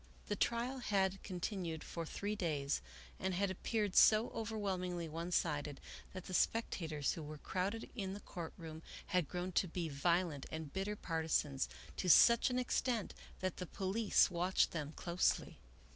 The trial had continued for three days and had appeared so overwhelmingly one sided that the spectators who were crowded in the court room had grown to be violent and bitter partisans, to such an extent that the police watched them closely.